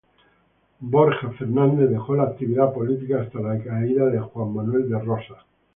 Borja Fernández dejó la actividad política hasta la caída de Juan Manuel de Rosas.